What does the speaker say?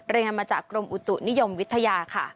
รายงานมาจากกรมอุตุนิยมวิทยาค่ะ